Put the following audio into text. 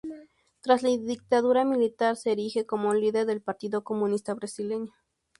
Tras la dictadura militar se erige como líder del Partido Comunista Brasileño.